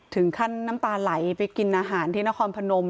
น้ำตาไหลไปกินอาหารที่นครพนม